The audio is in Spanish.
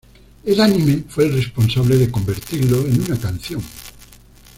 El anime, fue el responsable de convertirlo en una canción.